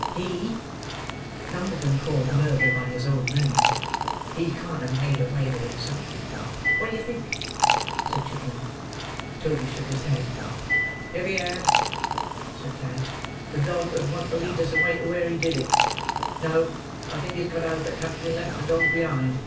"He"—(none of them called the murderer by his old name)—"He can't have made away with himself. What do you think?" said Chitling. Toby shook his head. "If he had," said Kags, "the dog 'ud want to lead us away to where he did it. No. I think he's got out of the country, and left the dog behind.